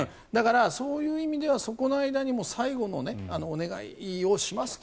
そういう意味ではそこの間に最後のお願いをしますと。